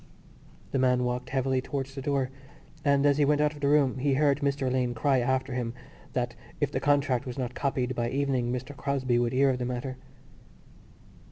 The man walked heavily towards the door and, as he went out of the room, he heard Mr Alleyne cry after him that if the contract was not copied by evening Mr Crosbie would hear of the matter.